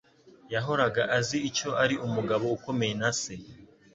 Yahoraga azi icyo ari umugabo ukomeye na se.